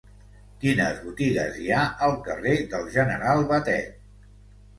Quines botigues hi ha al carrer del General Batet?